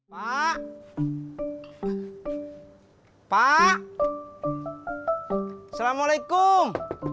pak pak assalamualaikum